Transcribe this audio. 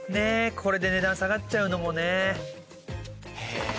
これで値段下がっちゃうのもね。